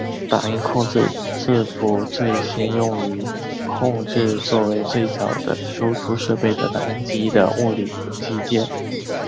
打印控制字符最先用于控制作为最早的输出设备的打印机的物理机件。